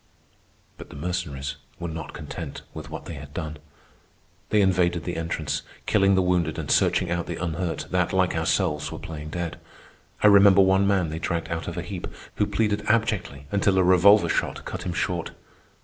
But the Mercenaries were not content with what they had done. They invaded the entrance, killing the wounded and searching out the unhurt that, like ourselves, were playing dead. I remember one man they dragged out of a heap, who pleaded abjectly until a revolver shot cut him short.